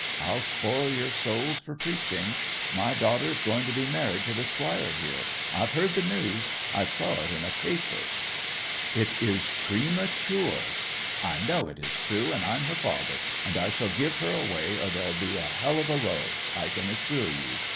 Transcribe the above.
I'll spoil your souls for preaching. My daughter is going to be married to the squire here. I've heard the news—I saw it in a paper!' 'It is premature—' 'I know it is true; and I'm her father, and I shall give her away, or there'll be a hell of a row, I can assure ye!